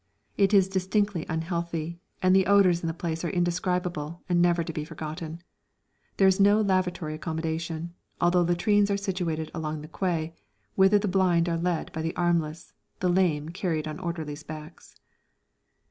It is distinctly unhealthy, and the odours in the place are indescribable and never to be forgotten. There is no lavatory accommodation although latrines are situated along the quay, whither the blind are led by the armless, the lame carried on orderlies' backs.